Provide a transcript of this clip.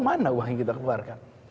mana uang yang kita keluarkan